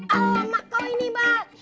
alamak kau ini pak